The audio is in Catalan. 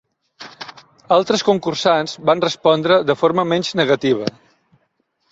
Altres concursants van respondre de forma menys negativa.